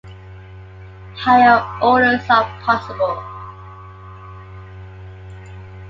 Higher orders are possible.